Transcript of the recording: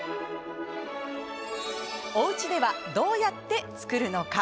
おうちではどうやって作るのか？